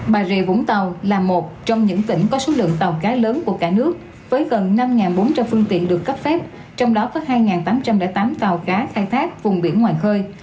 bà rịa vũng tàu là một trong những tỉnh có số lượng tàu cá lớn của cả nước với gần năm bốn trăm linh phương tiện được cấp phép trong đó có hai tám trăm linh tám tàu cá khai thác vùng biển ngoài khơi